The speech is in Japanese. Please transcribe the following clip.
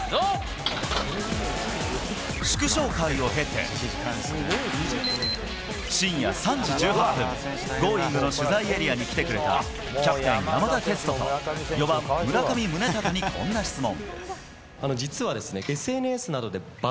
祝勝会を経て深夜３時１８分「Ｇｏｉｎｇ！」の取材エリアに来てくれたキャプテン、山田哲人と４番、村上宗隆にこんな質問。